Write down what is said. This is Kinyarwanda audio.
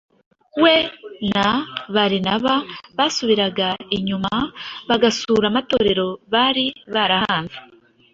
we na Barinaba basubiraga inyuma bagasura amatorero bari barahanze,